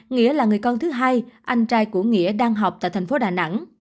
nghĩa là người con thứ hai anh trai của nghĩa đang học tại thành phố đà nẵng